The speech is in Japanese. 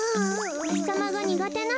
おひさまがにがてなの？